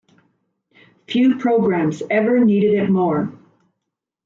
Few programs ever needed it more.